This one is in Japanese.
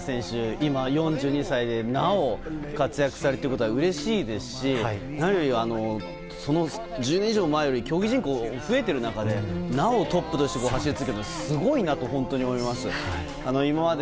今、４２歳でなお活躍されているのはうれしいですし何より１０年以上前より競技人口が増えている中でなおトップとして走り続けているのはすごいなと思います。